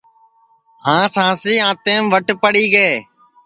ہانٚس ہانٚسی آنٚتینٚم وٹ پڑی گے